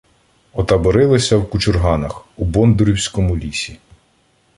Отаборилися в Кучурганах у Бондурівському лісі.